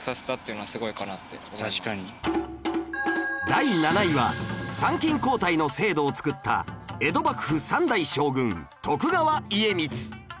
第７位は参勤交代の制度を作った江戸幕府３代将軍徳川家光